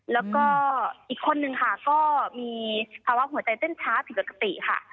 แล้วก็อีกคนนึงค่ะก็มีภาวะหัวใจเต้นช้าผิดปกติค่ะ